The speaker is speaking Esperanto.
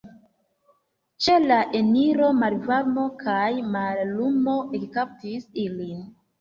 Ĉe la eniro malvarmo kaj mallumo ekkaptis ilin.